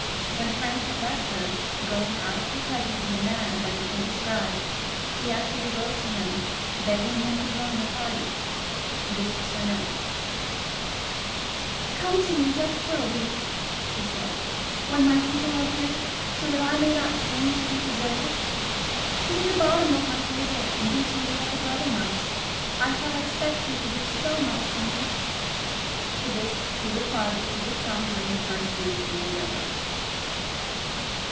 When Frank had left her, going out of her presence in the manner that has been described, she actually wrote to him, begging him to join her party. This was her note: "Come to me, just for a week," she said, "when my people are here, so that I may not seem to be deserted. Sit at the bottom of my table, and be to me as a brother might. I shall expect you to do so much for me." To this he had replied that he would come during the first week in November.